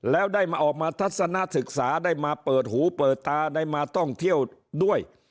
แล้วได้มาออกมาทัศนะศึกษาได้มาเปิดหูเปิดตาได้มาท่องเที่ยวด้วย